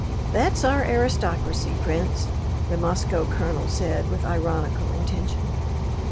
"That's our aristocracy, prince!" the Moscow colonel said with ironical intention.